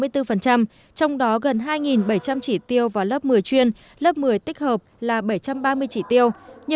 trong đó gần hai bảy trăm linh chỉ tiêu vào lớp một mươi chuyên lớp một mươi tích hợp là bảy trăm ba mươi chỉ tiêu